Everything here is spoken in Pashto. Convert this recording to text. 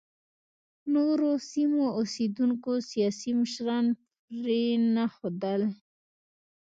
نورو سیمو اوسېدونکو سیاسي مشران پرېنښودل.